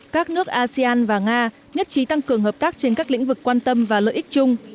các nước asean và nga nhất trí tăng cường hợp tác trên các lĩnh vực quan tâm và lợi ích chung